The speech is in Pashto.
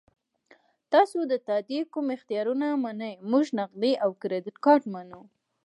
تاسو د تادیې کوم اختیارونه منئ؟ موږ نغدي او کریډیټ کارت منو.